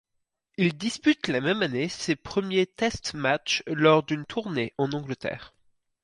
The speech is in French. Il dispute la même année ses premiers test-matchs lors d'une tournée en Angleterre.